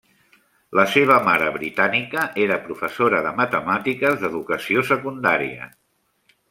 La seva mare britànica era professora de matemàtiques d'educació secundària.